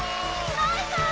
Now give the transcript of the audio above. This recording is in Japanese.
バイバイ！